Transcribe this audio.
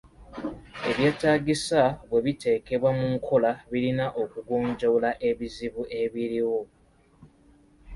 Ebyetaagisa bwe biteekebwa mu nkola birina okugonjoola ebizibu ebiriwo.